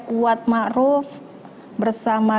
kuat ma'ruf bersama